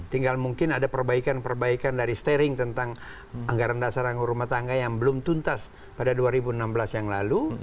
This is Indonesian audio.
tinggal mungkin ada perbaikan perbaikan dari steering tentang anggaran dasar anggaran rumah tangga yang belum tuntas pada dua ribu enam belas yang lalu